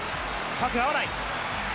パスが合わない。